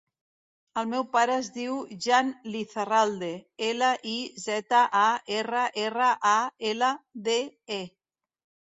El meu pare es diu Jan Lizarralde: ela, i, zeta, a, erra, erra, a, ela, de, e.